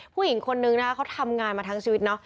ผู้หญิงคนนึงนะเขาทำงานมาทั้งชีวิตเนาะ